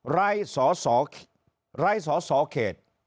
รายสอเขต